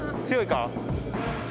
強いか？